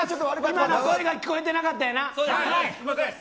今のは声が聞こえてなかったんやな。